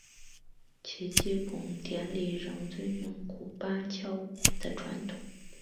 其祭孔典礼仍遵循古八佾舞的传统。